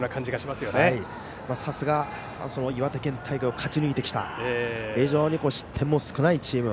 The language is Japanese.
さすが岩手県大会を勝ち抜いてきた非常に失点も少ないチーム。